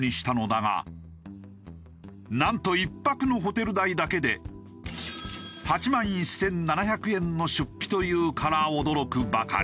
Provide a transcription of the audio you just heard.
なんと１泊のホテル代だけで８万１７００円の出費というから驚くばかり。